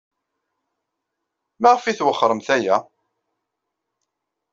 Maɣef ay twexxremt aya?